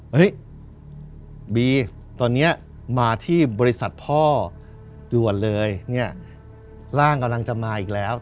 เฮ้ยบีตอนนี้มาที่บริษัทพ่อด่วนเลยเนี่ยร่างกำลังจะมาอีกแล้ว